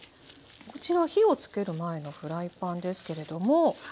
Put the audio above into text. こちらは火をつける前のフライパンですけれどもはい。